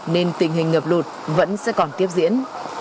nên tình hình ngập lụt vẫn sẽ còn tiếp diễn